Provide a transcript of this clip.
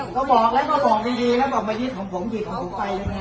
ก็บอกแล้วก็บอกดีแล้วก็มายึดของผมผิดของผมไปยังไง